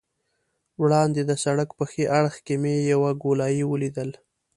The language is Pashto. وړاندې د سړک په ښي اړخ کې مې یوه ګولایي ولیدل.